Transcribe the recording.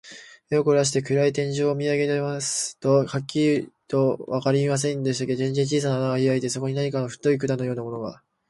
目をこらして、暗い天井を見あげていますと、はっきりとはわかりませんけれど、天井に小さな穴がひらいて、そこから何か太い管のようなものが、